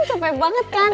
capek banget kan